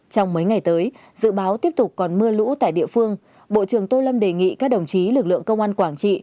trong mấy ngày tới dự báo tiếp tục còn mưa lũ tại địa phương bộ trưởng tô lâm đề nghị các đồng chí lực lượng công an quảng trị